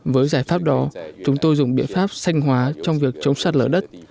với giải pháp đó chúng tôi dùng biện pháp sanh hóa trong việc chống sạt lở đất